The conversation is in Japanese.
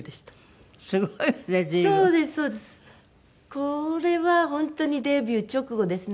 これは本当にデビュー直後ですね。